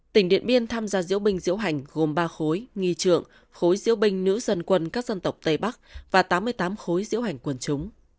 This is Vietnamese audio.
tỉnh điện biên tham gia diễu binh diễu hành gồm ba khối nghi trượng khối diễu binh nữ dân quân các dân tộc tây bắc và tám mươi tám khối diễu hành quân chúng